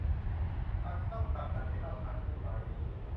เราจะต้องผลักดันให้เราผ่านพุ่มไม้นี้